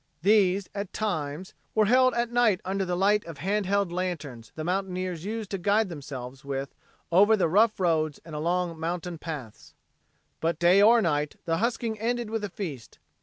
These, at times, were held at night under the light of hand lanterns the mountaineers used to guide themselves with over the rough roads and along mountain paths. But day or night, the husking ended with a feast.